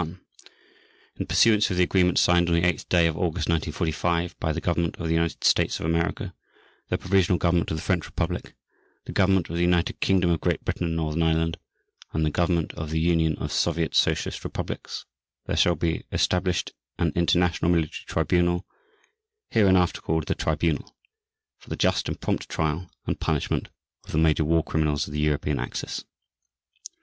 _ In pursuance of the Agreement signed on the 8th day of August 1945 by the Government of the United States of America, the Provisional Government of the French Republic, the Government of the United Kingdom of Great Britain and Northern Ireland, and the Government of the Union of Soviet Socialist Republics, there shall be established an International Military Tribunal (hereinafter called "the Tribunal") for the just and prompt trial and punishment of the major war criminals of the European Axis.